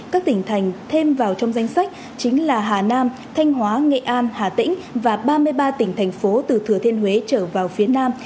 các tỉnh thành thêm vào trong danh sách chính là hà nam thanh hóa nghệ an hà tĩnh và ba mươi ba tỉnh thành phố từ thừa thiên huế trở vào phía nam